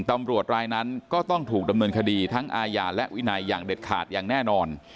ตำรวจรายนั้นก็ต้องถูกดำเนินคดีทั้งอาญาและวินัยอย่างเด็ดขาดอย่างแน่นอน